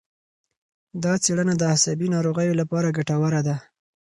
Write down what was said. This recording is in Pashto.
دا څېړنه د عصبي ناروغیو لپاره ګټوره ده.